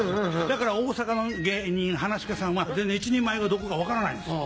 だから大阪の噺家さんは一人前がどこか分からないんですよ。